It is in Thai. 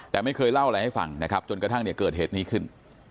แต่ไม่เคยเล่าอะไรให้ฟังนะครับจนกระทั่งเนี่ยเกิดเหตุนี้ขึ้น